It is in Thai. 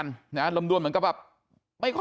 ใช่ค่ะถ่ายรูปส่งให้พี่ดูไหม